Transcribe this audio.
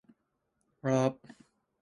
早く